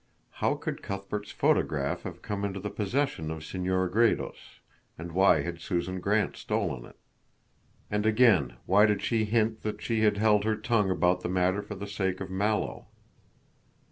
How could Cuthbert's photograph have come into the possession of Senora Gredos, and why had Susan Grant stolen it? And again, why did she hint that she had held her tongue about the matter for the sake of Mallow?